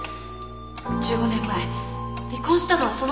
１５年前離婚したのはそのせいなの？